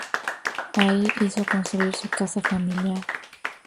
Allí hizo construir su casa familiar.